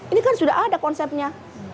ini kan sudah ada konsepnya